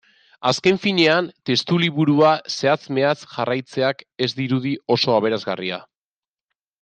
Azken finean, testuliburua zehatz-mehatz jarraitzeak ez dirudi oso aberasgarria.